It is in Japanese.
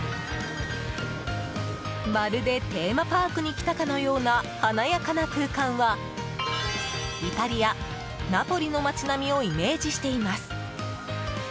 まるでテーマパークに来たかのような華やかな空間はイタリア・ナポリの街並みをイメージしています。